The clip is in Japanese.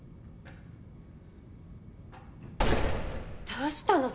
どうしたの？